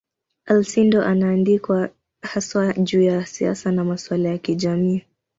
Alcindor anaandikwa haswa juu ya siasa na masuala ya kijamii.